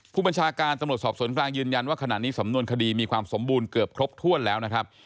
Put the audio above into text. ผู้บัญชาการตำรวจสอบสวนกลางยืนยันว่าขณะนี้สำนวนคดีมีความสมบูรณ์เกือบครบถ้วนแล้วนะครับ